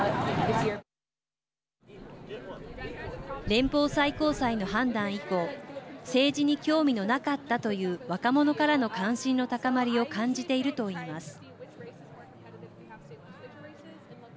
連邦最高裁の判断以降政治に興味のなかったという若者からの関心の高まりを感じているといいます。